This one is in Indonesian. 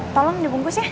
tolong dibungkus ya